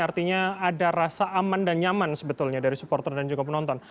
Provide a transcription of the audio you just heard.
artinya ada rasa aman dan nyaman sebetulnya dari supporter dan juga penonton